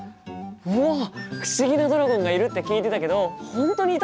うわっ不思議なドラゴンがいるって聞いてたけど本当にいたんだ！